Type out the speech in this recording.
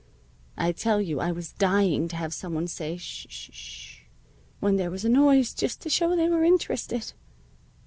I tell you I was dying to have some one say 'Sh sh sh!' when there was a noise, just to show they were interested.